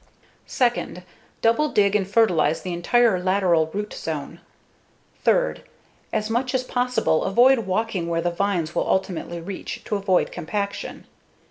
Second, double dig and fertilize the entire lateral root zone. Third, as much as possible, avoid walking where the vines will ultimately reach to avoid compaction.